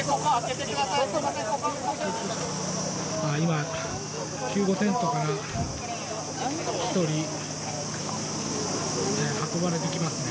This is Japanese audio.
今、救護テントから１人、運ばれてきますね。